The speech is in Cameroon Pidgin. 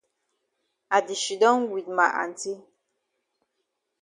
I di shidon wit ma aunty.